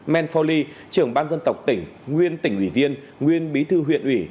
men foley trưởng ban dân tộc tỉnh nguyên tỉnh ủy viên nguyên bí thư huyện ủy